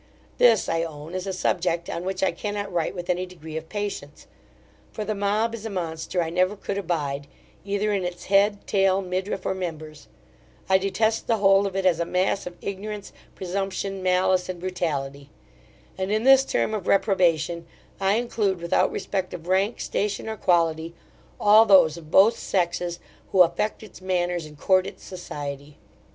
This, I own, is a subject on which I cannot write with any degree of patience; for the mob is a monster I never could abide, either in its head, tail, midriff, or members; I detest the whole of it, as a mass of ignorance, presumption, malice and brutality; and, in this term of reprobation, I include, without respect of rank, station, or quality, all those of both sexes, who affect its manners, and court its society.